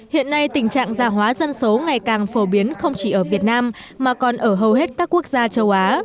hiện nay tình trạng gia hóa dân số ngày càng phổ biến không chỉ ở việt nam mà còn ở hầu hết các quốc gia châu á